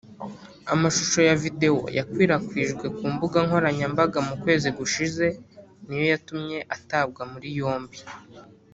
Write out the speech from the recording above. Amashusho ya Video yakwirakwijwe ku mbuga nkoranyambaga mu kwezi gushije niyo yatumye atabwa muri yombi